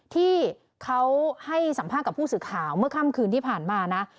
ที่เขาให้สัมภาษณ์กับผู้สื่อข่าวเมื่อค่ำคืนที่ผ่านมานะ